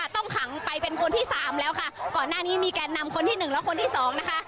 ต้องขังไปเป็นคนที่สามแล้วค่ะก่อนหน้านี้มีแกนนำคนที่หนึ่งและคนที่สองนะคะ